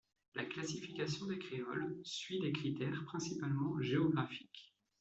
La classification des créoles suit des critères principalement géographiques.